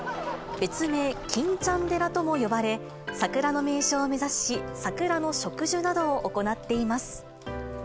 別名、欽ちゃん寺とも呼ばれ、桜の名所を目指し、桜の植樹などを行っています。